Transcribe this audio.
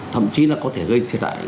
thậm chí là có thể gây thiệt hại